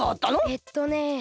えっとね。